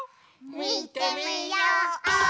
みてみよう！